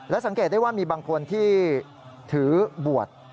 สังเกตได้ว่ามีบางคนที่ถือบวช